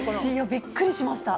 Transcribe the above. びっくりしました。